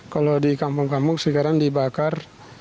kalau di kampung kampung sekarang dibakar